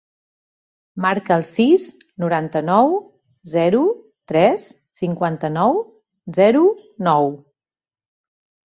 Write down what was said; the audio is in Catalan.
Marca el sis, noranta-nou, zero, tres, cinquanta-nou, zero, nou.